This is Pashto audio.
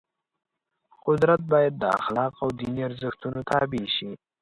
قدرت باید د اخلاقو او دیني ارزښتونو تابع شي.